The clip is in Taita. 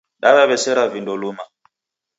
Daw'esera vindo luma